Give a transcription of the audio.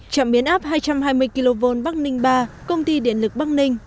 trạm biến áp hai trăm hai mươi kv bắc ninh ba công ty điện lực bắc ninh